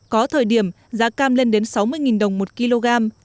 có thời điểm giá cam lên đến sáu mươi đồng một kg